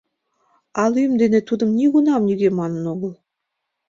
А лӱм дене тудым нигунам нигӧ манын огыл.